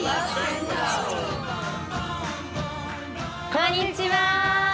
こんにちは！